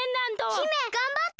姫がんばって！